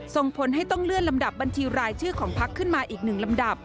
ส่งผลให้ต้องเลื่อนลำดับบัญชีรายชื่อของพักขึ้นมาอีกหนึ่งลำดับ